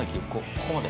ここまで。